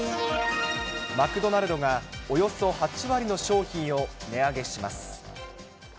マクドナルドが、およそ８割の商品を値上げします。